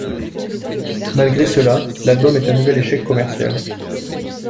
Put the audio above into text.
Malgré cela, l'album est un nouvel échec commercial.